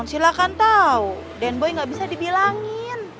nonsila kan tau den boy gak bisa dibilangin